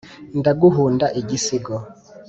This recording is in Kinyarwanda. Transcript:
ndaguhunda igisigo